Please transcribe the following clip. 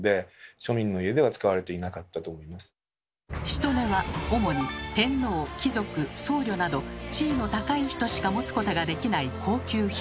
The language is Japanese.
中に茵は主に天皇貴族僧侶など地位の高い人しか持つことができない高級品。